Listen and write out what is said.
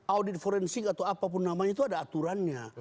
audit forensik atau apapun namanya itu ada aturannya